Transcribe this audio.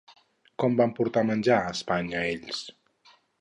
Com van portar menjar a Espanya ells?